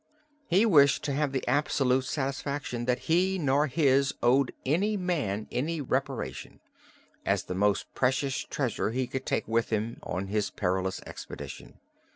He wished to have the absolute satisfaction that he, nor his, owed any man any reparation, as the most precious treasure he could take with him on his perilous expedition.